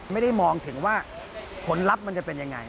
ไม่ได้มองถึงว่าผลลัพธ์มันจะเป็นยังไง